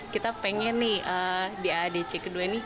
kita pengen nih di aadc kedua nih